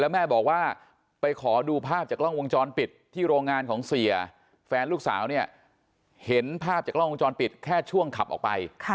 แม่บอกว่าไปขอดูภาพจากกล้องวงจรปิดที่โรงงานของเสียแฟนลูกสาวเนี่ยเห็นภาพจากกล้องวงจรปิดแค่ช่วงขับออกไป